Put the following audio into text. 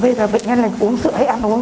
bây giờ bệnh nhân này uống sữa hay ăn uống